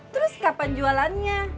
terus kapan jualannya